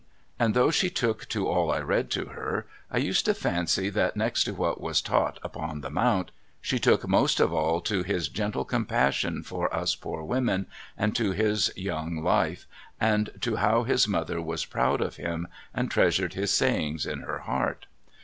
And though she took to all I read to her, I used to fancy that next to what was taught upon the Mount she took most of all to His gentle compassion for us poor women and to His young life and to how His mother was proud of Him and treasured His sayings in her heart.